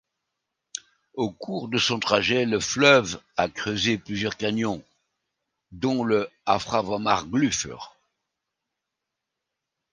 Au cours de son trajet, le fleuve a creusé plusieurs canyons, dont le Hafrahvammarglúfur.